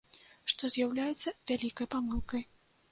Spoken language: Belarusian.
Што з'яўляецца вялікай памылкай.